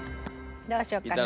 どうしようかな。